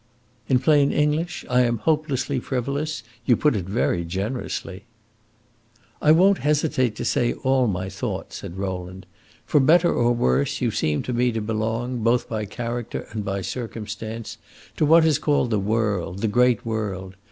"In plain English, I am hopelessly frivolous. You put it very generously." "I won't hesitate to say all my thought," said Rowland. "For better or worse, you seem to me to belong, both by character and by circumstance, to what is called the world, the great world.